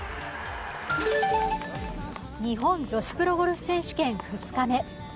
日本女子プロゴルフ選手権２日目。